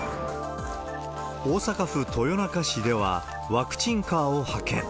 大阪府豊中市では、ワクチンカーを派遣。